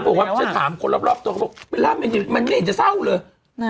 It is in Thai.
บอกว่าฉันถามคนรอบตัวเขาบอกเวลามันไม่เห็นจะเศร้าเลย